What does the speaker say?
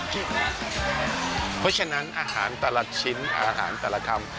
เพราะฉะนั้นอาหารตลอดชิ้นอาหารตลอดคำ